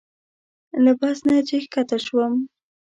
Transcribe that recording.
له بس نه چې ښکته شوم.